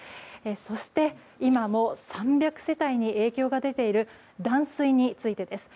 そして今も３００世帯に影響が出ている断水についてです。